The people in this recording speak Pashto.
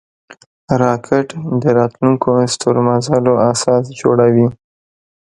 راکټ د راتلونکو ستورمزلو اساس جوړوي